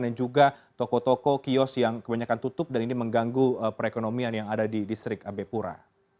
dan juga toko toko kios yang kebanyakan tutup dan ini mengganggu perekonomian yang ada di distrik ab pura